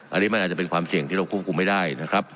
อันนี้มันอาจจะเป็นความเสี่ยงที่เราควบคุมไม่ได้นะครับ